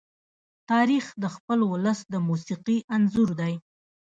تاریخ د خپل ولس د موسیقي انځور دی.